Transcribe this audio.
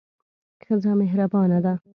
ښځه مهربانه ده.